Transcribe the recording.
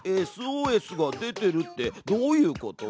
ＳＯＳが出てるってどういうこと？